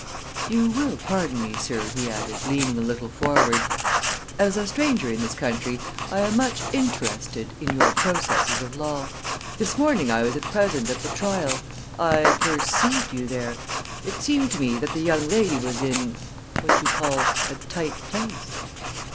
"You will pardon me, sir," he added, leaning a little forward. "As a stranger in this country, I am much inter rested in your processes of law. This morning I was present at the trial I per rceived you there. It seemed to me that the young lady was in what you call a tight place."